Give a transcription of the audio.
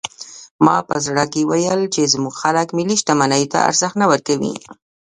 ما په زړه کې ویل چې زموږ خلک ملي شتمنیو ته ارزښت نه ورکوي.